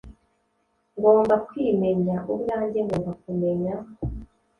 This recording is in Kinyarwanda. Ngomba kwimenya ubwanjye, ngomba kumenya